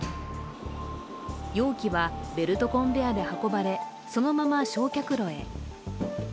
容器はベルトコンベアで運ばれ、そのまま焼却炉へ。